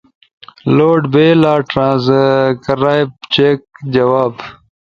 لوڈ بیلا۔۔، ٹرانسکرائیب، چیک، جواب